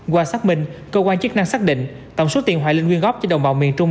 qua xác minh cơ quan chức năng xác định tổng số tiền hoài linh quyên góp cho đồng bào miền trung